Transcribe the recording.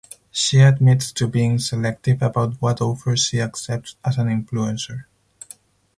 She admits to being selective about what offers she accepts as an influencer.